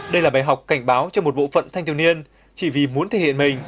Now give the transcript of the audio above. đây là bài học cảnh báo cho một bộ phận thanh thiếu niên chỉ vì muốn thể hiện mình